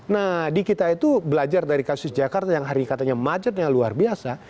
nah di kita itu belajar dari kasus jakarta yang hari katanya macetnya luar biasa